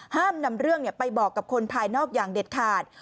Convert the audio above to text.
ห้ามนำเรื่องไปบอกกับคนภายนอกอย่างเด็ดขาด